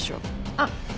あっ。